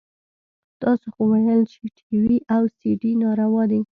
تاسو خو ويل چې ټي وي او سي ډي ناروا دي.